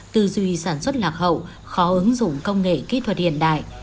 tư duy sản xuất lạc hậu khó ứng dụng công nghệ kỹ thuật hiện đại